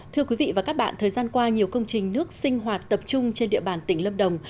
thưa quý vị và các bạn thời gian qua nhiều công trình nước sinh hoạt tập trung trên địa bàn tỉnh lâm đồng